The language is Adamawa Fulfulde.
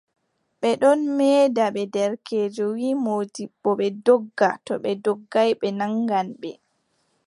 Ɓe ɗon meeda ɓe, derkeejo wii moodibbo, ɓe ndogga, to ɓe ndoggaay ɓe naŋgan ɓe.